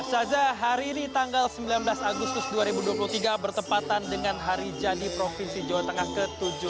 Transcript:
saza hari ini tanggal sembilan belas agustus dua ribu dua puluh tiga bertepatan dengan hari jadi provinsi jawa tengah ke tujuh puluh tiga